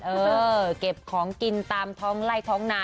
เออเก็บของกินตามท้องไล่ท้องนา